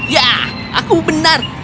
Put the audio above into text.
ya aku benar